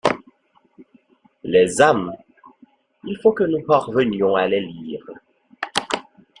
Les âmes, il faut que nous parvenions à les lire.